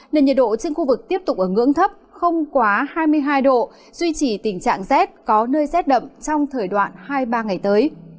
nền nhiệt độ trên khu vực tiếp tục ở ngưỡng thấp không quá hai mươi hai độ duy trì tình trạng rét có nơi rét đậm trong thời đoạn hai ba ngày tới